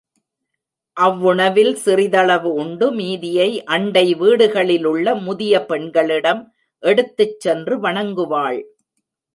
அவ்வுணவில் சிறிதளவு உண்டு, மீதியை அண்டை வீடுகளிலுள்ள முதிய பெண்களிடம் எடுத்துச்சென்று வணங்குவாள்.